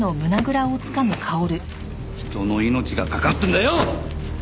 人の命が懸かってるんだよ！